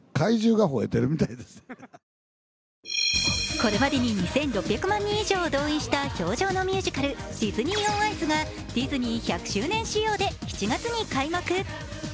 これまでに２６００万人以上を動員した氷上のミュージカルディズニー・オン・アイスがディズニー１００周年仕様で７月に開幕。